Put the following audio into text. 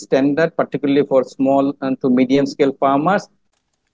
terutama untuk petani kecil dan kecil